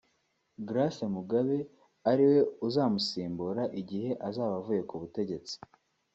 Grace Mugabe ari we uzamusimbura igihe azaba avuye ku butegetsi